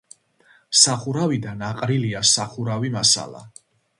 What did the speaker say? სახურავიდან აყრილია სახურავი მასალა.